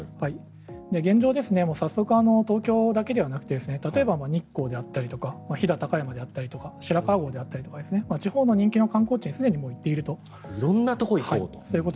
現状、早速東京だけではなくて例えば日光であったりとか飛騨高山であったりとか白川郷であったりとか地方の人気の観光地に色んなところに行こうと。